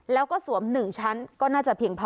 แล้วก็สวม๑ชั้นก็น่าจะเพียงพอ